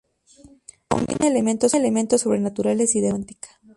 Combina elementos sobrenaturales y de novela romántica.